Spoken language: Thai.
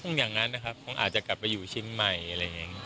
อย่างนั้นนะครับคงอาจจะกลับไปอยู่ชิ้นใหม่อะไรอย่างนี้